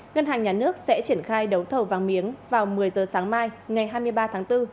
ngân hàng nhà nước sẽ triển khai đấu thầu vàng miếng vào một mươi giờ sáng mai ngày hai mươi ba tháng bốn